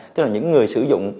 tức là những người sử dụng